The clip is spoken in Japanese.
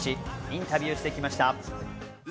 インタビューしてきました。